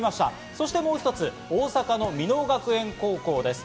そしてもう一つ、大阪の箕面学園高校です。